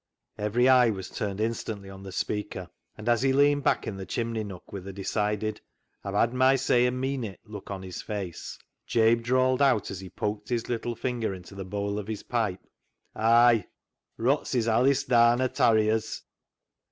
Every eye was turned instantly on the speaker, and as he leaned back in the chimney nook with a decided " I've had my say and mean it " look on his face, Jabe drawled out as he poked his little finger into the bowl of his pipe —" Ay, rots is allis daan o' tarriers."